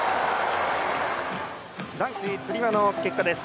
男子つり輪の結果です。